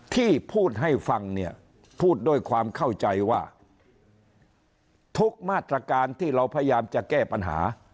ที่พูดให้ฟังเนี่ยพูดด้วยความเข้าใจว่าทุกมาตรการที่เราพยายามจะแก้ปัญหา